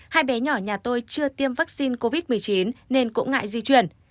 hai bé nhỏ nhà tôi chưa tiêm vaccine covid một mươi chín nên cũng ngại di chuyển